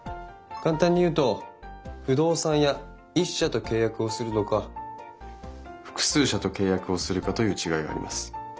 簡単に言うと不動産屋１社と契約をするのか複数社と契約をするかという違いがあります。